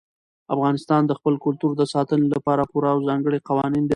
افغانستان د خپل کلتور د ساتنې لپاره پوره او ځانګړي قوانین لري.